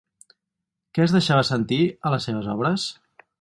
Què es deixava sentir a les seves obres?